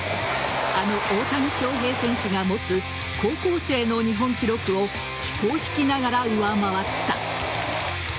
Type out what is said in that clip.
あの大谷翔平選手が持つ高校生の日本記録を非公式ながら上回った。